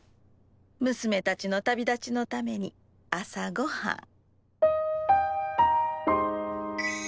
むすめたちの旅立ちのために朝ごはん。